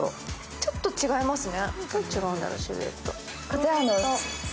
ちょっと違いますね。